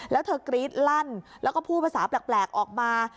แล้วเธอกรี๊ดลั่นแล้วก็พูดภาษาแปลกออกมา